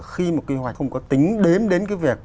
khi một kế hoạch không có tính đếm đến cái việc